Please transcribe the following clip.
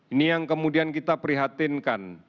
ini yang kemudian kita prihatinkan